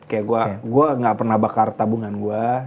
kayak gue gak pernah bakar tabungan gue